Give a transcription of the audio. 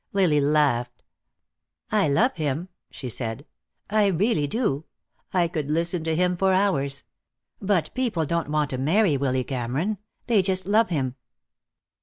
Lily laughed. "I love him," she said. "I really do. I could listen to him for hours. But people don't want to marry Willy Cameron. They just love him."